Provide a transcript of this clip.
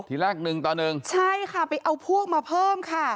ทีแรกหนึ่งต่อหนึ่งใช่ค่ะไปเอาพวกมาเพิ่มค่ะ